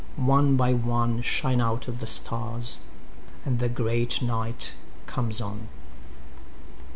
One by one14Shine out the stars, and the great night comes on.